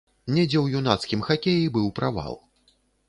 Недзе ў юнацкім хакеі быў правал.